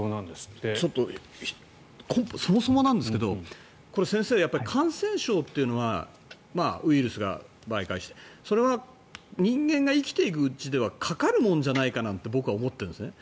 そもそもなんですが先生、感染症というのはウイルスが媒介してそれは人間が生きていくうちではかかるものじゃないかって僕は思ってるんですね。